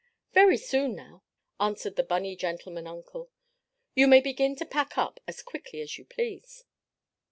"Very soon now," answered the bunny gentleman uncle. "You may begin to pack up as quickly as you please."